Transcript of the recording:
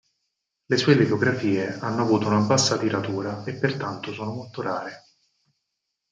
Le sue litografie hanno avuto una bassa tiratura e pertanto sono molto rare.